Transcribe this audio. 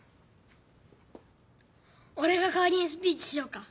おれがかわりにスピーチしようか？